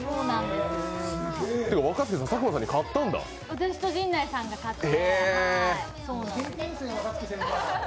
私と陣内さんが勝って。